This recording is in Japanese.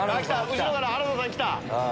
後ろから原田さん来た。